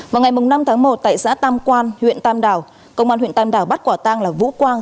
vào ngày năm tháng một tại xã tam quan huyện tam đảo công an huyện tam đảo bắt quả tang là vũ quang